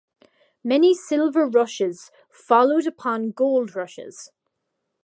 Many silver rushes followed upon gold rushes.